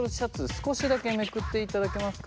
少しだけめくって頂けますか？